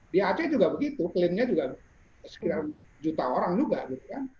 di aceh juga begitu klaimnya juga sekitar juta orang juga gitu kan